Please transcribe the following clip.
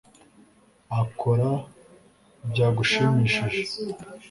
akora byagushimishije,